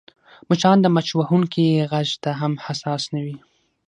مچان د مچ وهونکي غږ ته هم حساس نه وي